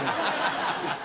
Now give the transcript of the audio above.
ハハハハ。